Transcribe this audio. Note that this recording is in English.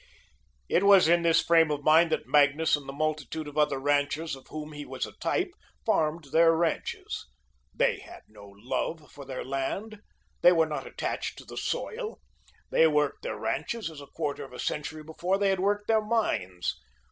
It was in this frame of mind that Magnus and the multitude of other ranchers of whom he was a type, farmed their ranches. They had no love for their land. They were not attached to the soil. They worked their ranches as a quarter of a century before they had worked their mines.